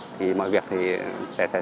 thì mọi việc thì sẽ xảy ra